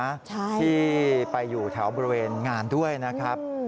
ใช่ที่ไปอยู่แถวบริเวณงานด้วยนะครับ